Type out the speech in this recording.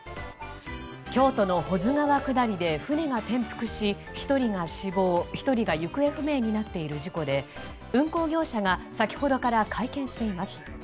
京都の保津川下りで船が転覆し１人が死亡１人が行方不明になっている事故で運航業者が先ほどから会見しています。